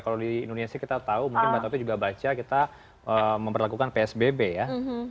kalau di indonesia kita tahu mungkin mbak toto juga baca kita memperlakukan psbb ya